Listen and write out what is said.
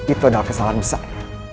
itu adalah kesalahan besar